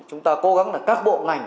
chúng ta cố gắng là các bộ ngành